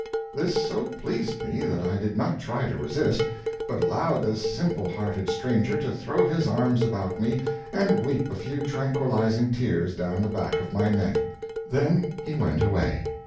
This so pleased me that I did not try to resist, but allowed this simple hearted stranger to throw his arms about me and weep a few tranquilizing tears down the back of my neck. Then he went his way.